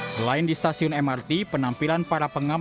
selain di stasiun mrt penampilan para pengamanan